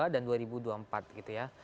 dan dua ribu dua puluh empat gitu ya